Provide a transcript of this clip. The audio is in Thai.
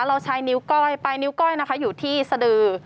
เราใช้นิ้วก้อยปลายนิ้วก้อยนะคะอยู่ที่สดือ